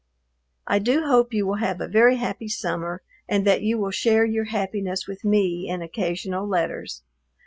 I do hope you will have a very happy summer, and that you will share your happiness with me in occasional letters.